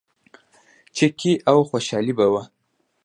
چکې او خوشحالي به وه.